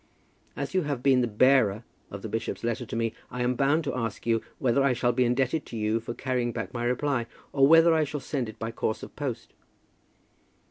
As you have been the bearer of the bishop's letter to me, I am bound to ask you whether I shall be indebted to you for carrying back my reply, or whether I shall send it by course of post?"